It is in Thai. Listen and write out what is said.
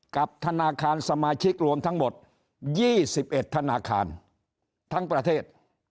กับธนาคารสมาชิกรวมทั้งหมด๒๑ธนาคารทั้งประเทศ